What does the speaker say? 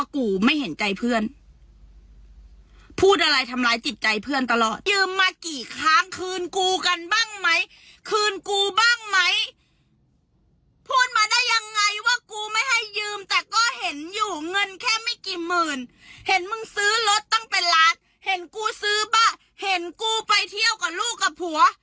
กูซื้อบ้าเห็นกูไปเที่ยวกับลูกกับผัว